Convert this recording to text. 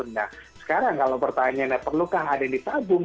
nah sekarang kalau pertanyaannya perlukah ada yang ditabung